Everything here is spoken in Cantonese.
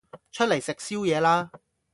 出嚟食宵夜啦